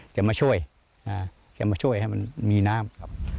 จะมาช่วยจะมาช่วยให้มันมีน้ำครับ